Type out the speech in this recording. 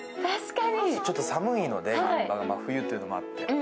ちょっと寒いので、真冬というのもあって。